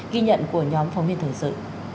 ghi nhận của nhóm phóng viên thường sự